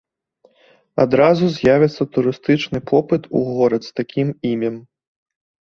Адразу з'явіцца турыстычны попыт у горад з такім імем.